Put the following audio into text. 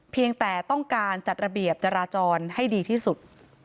เพียงแต่ต้องการจัดระเบียบจราจรให้ดีที่สุด